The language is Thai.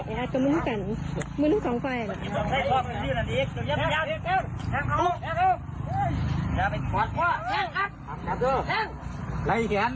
ไอ้อาจกำลังกำลังกำลังกองไขวน